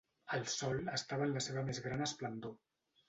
El sol estava en la seva més gran esplendor.